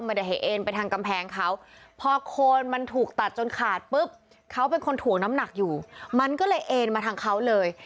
ไม่ได้ให้เอ็นไปทางกำแพงเขาพอโคนมันถูกตัดจนขาดปุ๊บเขาเป็นคนถ่วงน้ำหนักอยู่มันก็เลยเอ็นมาทางเขาเลย